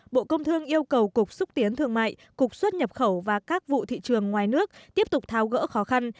bộ công thương yêu cầu cục xúc tiến thương mại cục xuất nhập khẩu và các vụ thị trường ngoài nước tiếp tục tháo gỡ khó khăn